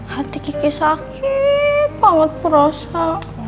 hati kiki sakit banget perasa